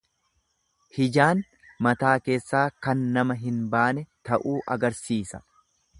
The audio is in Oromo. Hijaan mataa keessaa kan nama hin baane ta'uu agarsiisa.